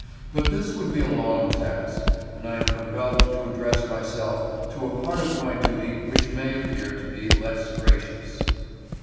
But this would be a long task, and I am compelled to address myself to a part of my duty which may appear to be less gracious.